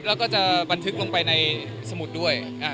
แล้วจะบันถึกไปลงในสมุดด้วย